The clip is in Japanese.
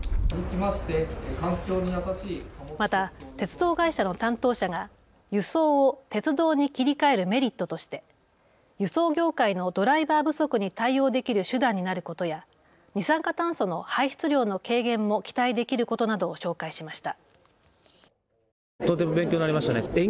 また鉄道会社の担当者が輸送を鉄道に切り替えるメリットとして輸送業界のドライバー不足に対応できる手段になることや二酸化炭素の排出量の軽減も期待できることなどを紹介しました。